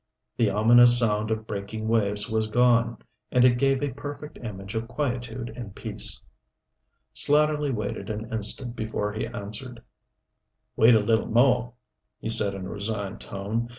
The ominous sound of breaking waves was gone, and it gave a perfect image of quietude and peace. Slatterly waited an instant before he answered. "Wait a little more," he said in a resigned tone.